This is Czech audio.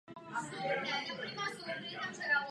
Epizoda obsahovala sedm hudebních cover verzí.